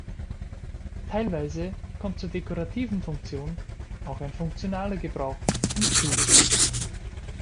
Teilweise kommt zur dekorativen Funktion auch ein funktionaler Gebrauch hinzu.